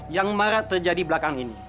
yang marak terjadi belakang ini